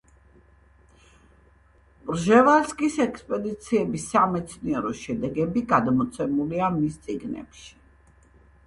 პრჟევალსკის ექსპედიციების სამეცნიერო შედეგები გადმოცემულია მის წიგნებში.